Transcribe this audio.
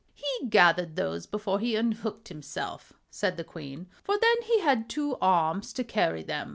"He gathered those before he unhooked himself," said the Queen, "for then he had two arms to carry them.